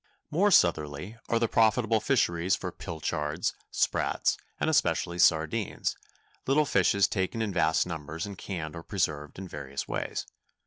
More southerly are the profitable fisheries for pilchards, sprats, and especially sardines—little fishes taken in vast numbers and canned or preserved in various ways.